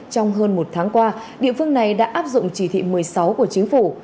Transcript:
trong hơn một tháng qua địa phương này đã áp dụng chỉ thị một mươi sáu của chính phủ